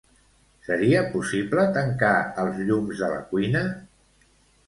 Seria possible tancar els llums de la cuina?